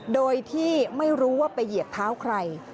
โดยที่ไม่รู้ว่าไปเหยียบเท้าใคร